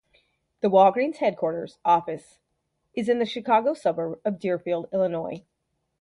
The Walgreens headquarters office is in the Chicago suburb of Deerfield, Illinois.